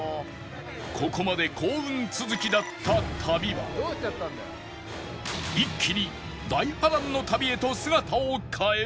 ここまで幸運続きだった旅は一気に大波乱の旅へと姿を変える